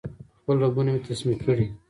خپل رګونه مې تسمې کړې